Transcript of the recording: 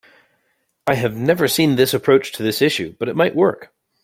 I have never seen this approach to this issue, but it might work.